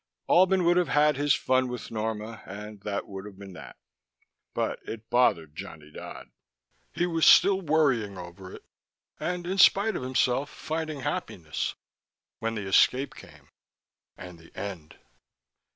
Albin would have had his fun with Norma, and that would have been that. But it bothered Johnny Dodd. He was still worrying over it, and in spite of himself finding happiness, when the escape came, and the end.